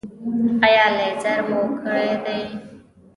ایا لیزر مو کړی دی؟